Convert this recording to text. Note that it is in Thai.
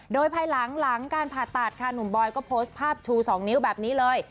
โดยภายหลังการผ่าตัดค่ะหนุ่มบอยก็โพสต์ภาพชู๒นิ้วแบบนี้เลย